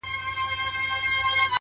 تاته به پټ وژاړم تاته په خندا به سم!!